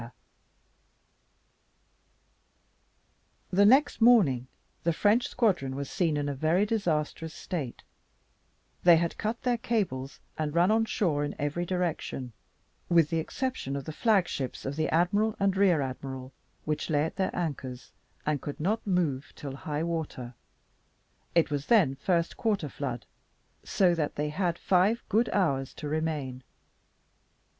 The next morning the French squadron was seen in a very disastrous state; they had cut their cables, and run on shore in every direction, with the exception of the flag ships of the admiral and rear admiral, which lay at their anchors, and could not move till high water; it was then first quarter flood, so that they had five good hours to remain.